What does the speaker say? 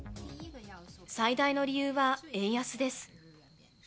最大の理由は円安です。